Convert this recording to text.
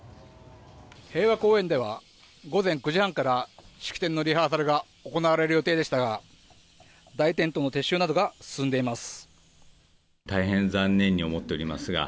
平和公園では午前９時半から式典のリハーサルが行われる予定でしたが大テントの撤収などが進んでいます。